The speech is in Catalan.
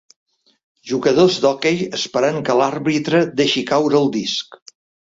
Jugadors d'hoquei esperant que l'arbitre deixi caure el disc